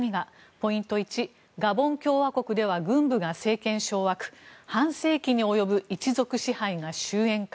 ポイント１ガボン共和国では軍部が政権掌握半世紀に及ぶ一族支配が終えんか。